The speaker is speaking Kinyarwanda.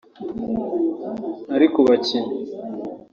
Ari ku bakinnyi